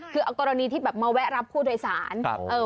คือเอากรณีที่แบบมาแวะรับผู้โดยสาร